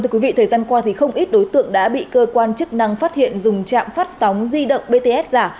thời gian qua không ít đối tượng đã bị cơ quan chức năng phát hiện dùng trạm phát sóng di động bts giả